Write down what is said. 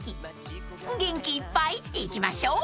［元気いっぱいいきましょう！］